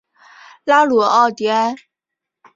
拉鲁奥迪埃。